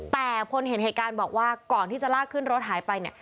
แต่คนเห็นเหตุการณ์บอกว่าก่อนที่จะลากขึ้นรถหายไปเนี่ย